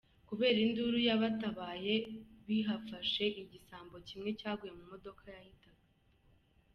Kubera induru y’abatabaye, bihafashe, igisambo kimwe cyaguye mu modoka yahitaga.